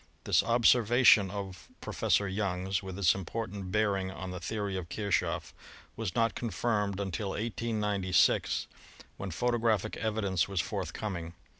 This observation of Professor Young's, with its important bearing on the the ory of Kirchoff, was not confirmed until 1896, when photo 107 108 ASTRONOMY graphic evidence was forthcoming.